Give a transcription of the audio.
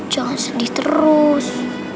jangan sedih terus